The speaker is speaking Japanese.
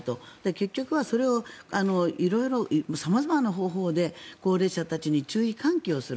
結局はそれを色々、様々な方法で高齢者たちに注意喚起をする。